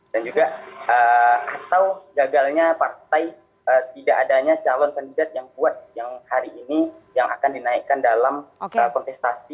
dan juga atau gagalnya partai tidak adanya calon kandidat yang buat hari ini yang akan dinaikkan dalam kontestasi